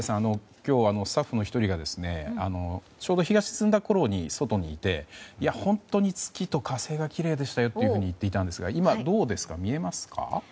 今日はスタッフの１人がちょうど日が沈んだころに外にいて本当に月と火星がきれいでしたよと言っていたんですが今、見えますか？